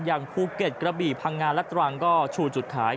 อย่างภูเก็ตกระบี่พังงานและตรางก็ชูจุดคลาย